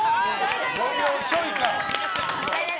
５秒ちょいか。